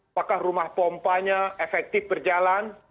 apakah rumah pompanya efektif berjalan